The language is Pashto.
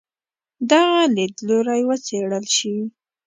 دغه لیدلوری وڅېړل شي.